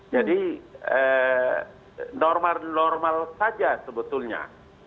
jadi normal normal saja sebetulnya